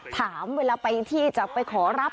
ถามเวลาไปที่จะไปขอรับ